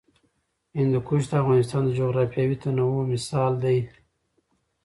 هندوکش د افغانستان د جغرافیوي تنوع مثال دی.